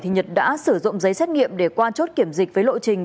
nhật đã sử dụng giấy xét nghiệm để qua chốt kiểm dịch với lộ trình